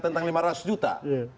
tentang lima ratus juta